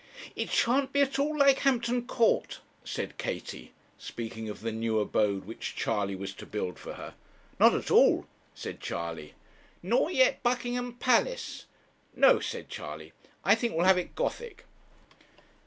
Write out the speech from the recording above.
'It shan't be at all like Hampton Court,' said Katie, speaking of the new abode which Charley was to build for her. 'Not at all,' said Charley. 'Nor yet Buckingham Palace.' 'No,' said Charley, 'I think we'll have it Gothic.'